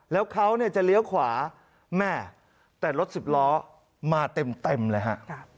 แล้วเขาจะเลี้ยวขวาแม่แต่รถสิบล้อมาเต็มเลยฮะ